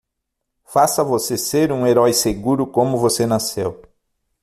Faça você ser um herói seguro como você nasceu!